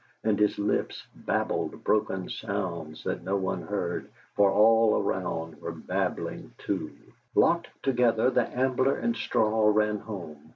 And his lips babbled broken sounds that no one heard, for all around were babbling too. Locked together, the Ambler and straw ran home.